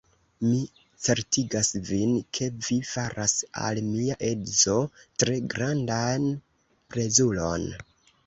Mi certigas vin, ke vi faras al mia edzo tre grandan plezuron.